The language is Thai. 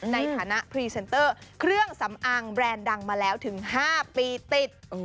ในฐานะพรีเซนเตอร์เครื่องสำอางแบรนด์ดังมาแล้วถึง๕ปีติด